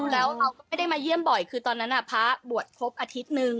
แล้วเราก็ไม่ได้มาเยี่ยมบ่อยคือตอนนั้นพระบวชครบอาทิตย์นึง